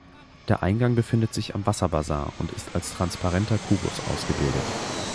Der Eingang befindet sich am Wasserbassin und ist als transparenter Kubus ausgebildet.